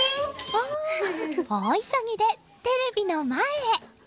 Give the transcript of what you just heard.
大急ぎでテレビの前へ。